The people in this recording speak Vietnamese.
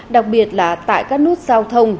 đặc biệt là tại các nút giao thông